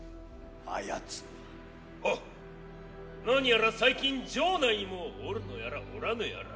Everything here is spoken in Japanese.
なにやら最近城内にもおるのやらおらぬやら。